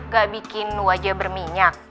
gak bikin wajah berminyak